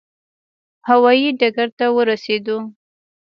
هوا یي ډګر ته ورسېدو.